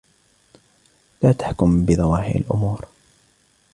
لا تحكم بظواهر الأمور.